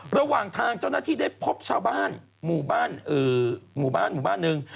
ระหว่างทางเจ้าหน้าที่ได้พบชาวบ้านหมู่บ้านหมู่บ้านหนึ่ง